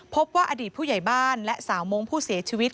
พบว่าอดีตผู้ใหญ่บ้านและสาวมงค์ผู้เสียชีวิต